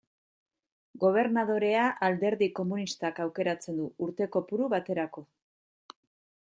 Gobernadorea, Alderdi Komunistak aukeratzen du, urte kopuru baterako.